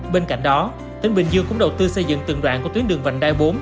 bên cạnh đó tỉnh bình dương cũng đầu tư xây dựng từng đoạn của tuyến đường vành đai bốn